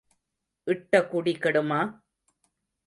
இட்ட குடி கெடுமா?